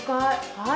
はい。